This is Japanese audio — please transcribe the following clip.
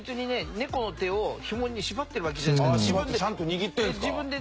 猫の手をひもに縛ってるわけじゃなくて自分で。